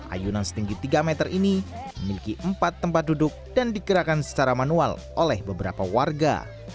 ayunan setinggi tiga meter ini memiliki empat tempat duduk dan digerakkan secara manual oleh beberapa warga